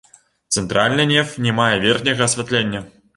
Цэнтральны неф не мае верхняга асвятлення.